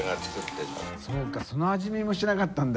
そうかその味見もしてなかったんだ。